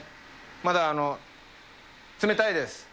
まだ冷たいです。